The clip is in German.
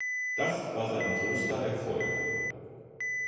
Das war sein größter Erfolg.